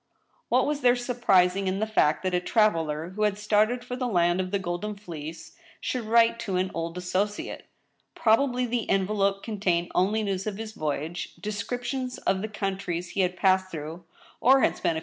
What was there surprising in the fact that a traveler, who had started for the land of the Golden Fleece, should write to an old as sociate ? Probably the envelope contained only news of his voyage, descriptions of the countries he had passed through, or had spent a 2i6 THE STEEL HAMMER.